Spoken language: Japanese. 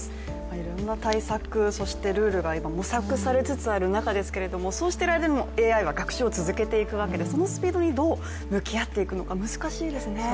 いろんな対策、そしてルールが模索されつつある中ですけどそうしている間にもＡＩは学習を続けていくわけでそのスピードにどう向き合っていくのか難しいですね。